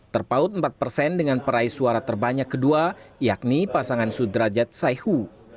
terpaut empat persen dengan peraih suara terbanyak kedua yakni pasangan sudrajat saihu